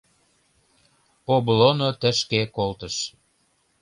Облоно тышке колтыш.